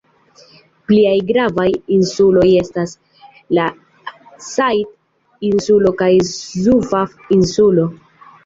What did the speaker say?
Pliaj gravaj insuloj estas la Sajid-insulo kaj Zufaf-insulo.